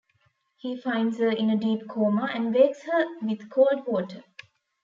He finds her in a deep coma and wakes her with cold water.